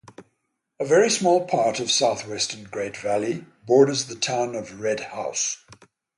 A very small part of southwestern Great Valley borders the town of Red House.